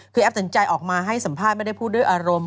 คือแอปสนใจออกมาให้สัมภาษณ์ไม่ได้พูดด้วยอารมณ์